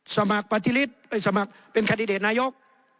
สมัครประทิฤษฐ์เอ่ยสมัครเป็นแคติเรจนายก